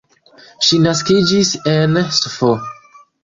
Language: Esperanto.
Ŝi naskiĝis en Sf.